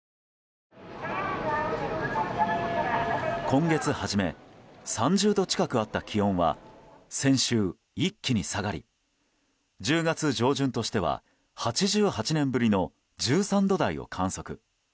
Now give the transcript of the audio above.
今月初め３０度近くあった気温は先週、一気に下がり１０月上旬としては８８年ぶりの１３度台を観測。